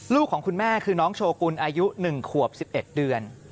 ของคุณแม่คือน้องโชกุลอายุ๑ขวบ๑๑เดือน